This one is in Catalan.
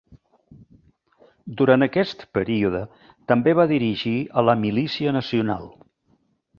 Durant aquest període també va dirigir a la Milícia Nacional.